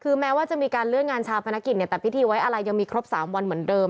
คือแม้ว่าจะมีการเลื่อนงานชาปนกิจเนี่ยแต่พิธีไว้อะไรยังมีครบ๓วันเหมือนเดิม